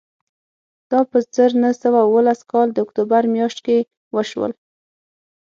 دا په زر نه سوه اوولس کال د اکتوبر میاشت کې وشول